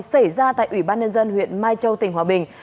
xảy ra tại ủy ban nhân dân huyện mai châu tỉnh hòa bình